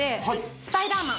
スパイダーマン！